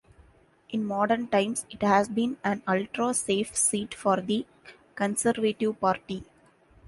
In modern times it has been an ultra-safe seat for the Conservative Party.